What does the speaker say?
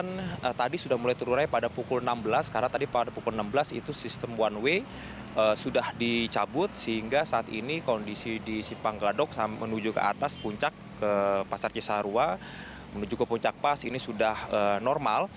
kemudian tadi sudah mulai turunai pada pukul enam belas karena tadi pada pukul enam belas itu sistem one way sudah dicabut sehingga saat ini kondisi di simpang gadok menuju ke atas puncak ke pasar cisarua menuju ke puncak pas ini sudah normal